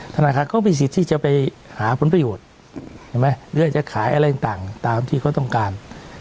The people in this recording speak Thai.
ธนาคารก็มีสิทธิ์ที่จะไปหาผลประโยชน์เรื่องจะขายอะไรต่างตามที่เขาต้องการ